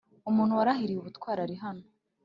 umuntu warahiriwe ubutwari arihano